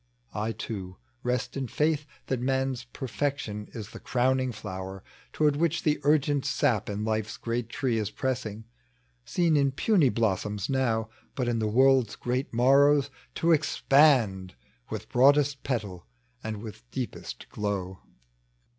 I too rest in faith That man's perfection is the crowning flower, Toward which the ui^ent sap in life's great tree Is pressing, — seen in puny blossoms now, But in the world's great moiTows to expand With broadest petal and with deepest glow.